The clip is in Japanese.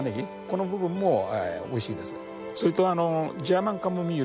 この部分もおいしいです。